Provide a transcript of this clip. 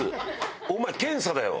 お前検査だよ！